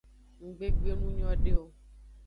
Nggbe gbe nu nyode o.